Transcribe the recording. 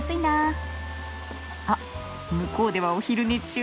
あっ向こうではお昼寝中。